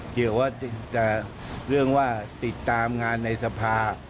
เกี่ยวว่าจะเรื่องว่าติดตามงานในสภา